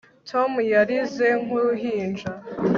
tom yarize nk'uruhinja